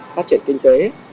phát triển kinh tế